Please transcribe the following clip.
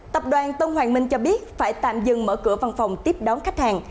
tập đoàn tân hoàng minh cho biết phải tạm dừng mở cửa văn phòng tiếp đón khách hàng